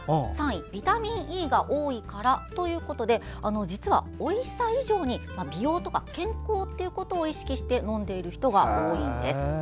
３位がビタミンＥが多いからということで実はおいしさ以上に美容ですとか健康を意識して飲んでいる人が多いんです。